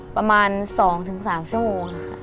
ประมาณ๒๓ชั่วโมงค่ะ